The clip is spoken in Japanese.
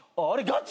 ガチ？